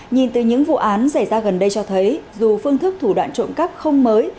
nhìn từ những vụ án xảy ra gần đây cho thấy dù phương thức thủ đoạn trộm cắp không mới